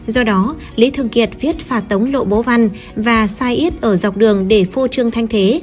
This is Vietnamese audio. do đó lý thưởng kiệt viết phạt tống lộ bố văn và sai ít ở dọc đường để phô trương thanh thế